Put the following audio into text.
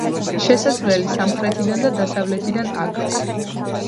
შესასვლელი სამხრეთიდან და დასავლეთიდან აქვს.